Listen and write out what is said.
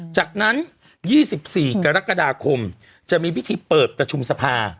จากนั้นยี่สิบสี่กรกฎาคมจะมีวิธีเปิดประชุมสภา